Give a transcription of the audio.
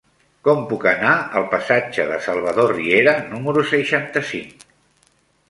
Com puc anar al passatge de Salvador Riera número seixanta-cinc?